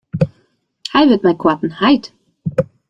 Hy wurdt mei koarten heit.